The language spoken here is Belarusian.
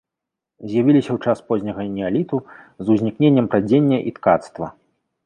З'явіліся ў час позняга неаліту з узнікненнем прадзення і ткацтва.